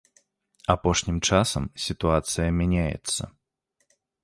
Апошнім часам сітуацыя мяняецца.